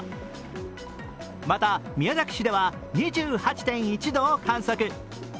また宮崎市では２８．１度を観測。